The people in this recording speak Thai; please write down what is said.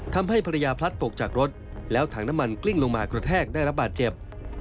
ทำให้ภรรยาพลัดตกจากรถแล้วถังน้ำมันกลิ้งลงมากระแทกได้รับบาดเจ็บ